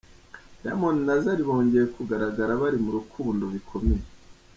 Diamond na Zari bongeye kugaragara bari mu rukundo bikomeye.